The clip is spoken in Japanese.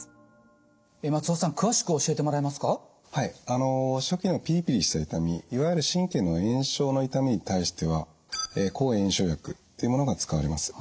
あの初期のピリピリした痛みいわゆる神経の炎症の痛みに対しては抗炎症薬っていうものが使われます。